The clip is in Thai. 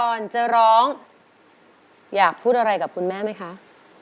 ก่อนจะร้องอยากพูดอะไรกับคุณแม่ไหมคะ